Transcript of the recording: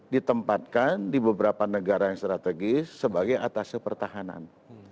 ditempatkan di beberapa negara yang strategis sebagai atasnya pertahanan